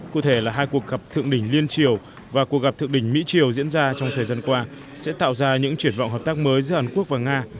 cụ thể là hai cuộc gặp thượng đỉnh liên triều và cuộc gặp thượng đỉnh mỹ triều diễn ra trong thời gian qua sẽ tạo ra những triển vọng hợp tác mới giữa hàn quốc và nga